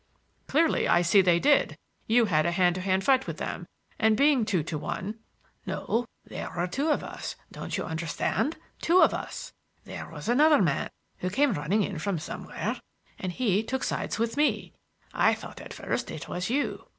"Clearly; I see they did. You had a hand to hand fight with them, and being two to one—" "No; there were two of us,—don't you understand, two of us! There was another man who came running in from somewhere, and he took sides with me. I thought at first it was you.